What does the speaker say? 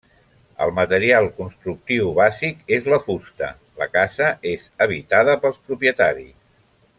El material constructiu bàsic és la fusta, la casa és habitada pels propietaris.